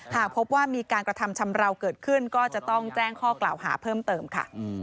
หากพบว่ามีการกระทำชำราวเกิดขึ้นก็จะต้องแจ้งข้อกล่าวหาเพิ่มเติมค่ะ